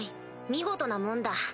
見事なもんだ。